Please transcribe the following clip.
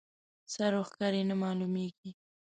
سر و ښکر یې نه معلومېږي.